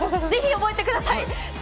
ぜひ、覚えてください。